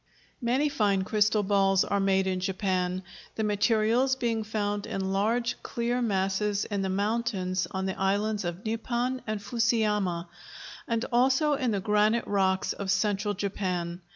Many fine crystal balls are made in Japan, the materials being found in large, clear masses in the mountains on the islands of Nippon and Fusiyama and also in the granitic rocks of Central Japan.